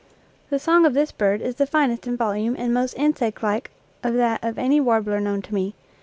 The song of this bird is the finest in volume and most insectlike of that of any warbler known to me.